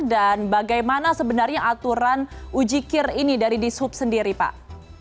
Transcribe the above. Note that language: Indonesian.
dan bagaimana sebenarnya aturan ujikir ini dari dishub sendiri pak